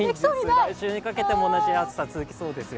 来週にかけても同じ暑さが続きそうですよ。